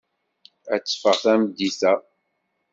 Ad teffeɣ tameddit-a.